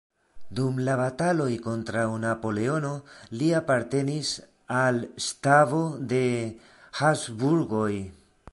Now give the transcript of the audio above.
Dum la bataloj kontraŭ Napoleono li apartenis al stabo de Habsburgoj.